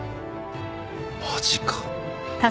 マジか。